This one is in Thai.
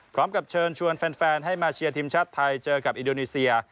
พร้อมกับเชิญชวนแฟนให้มาเชียร์ทีมชาติไทยเจอกับอินโดนีเซีย